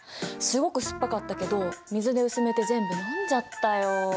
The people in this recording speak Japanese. すごく酸っぱかったけど水で薄めて全部飲んじゃったよ。